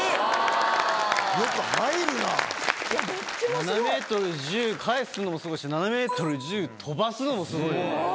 ７ｍ１０返すのもスゴいし７ｍ１０飛ばすのもスゴいよね。